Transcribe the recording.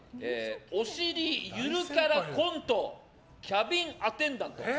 お尻ゆるキャラコントキャビンアテンダント。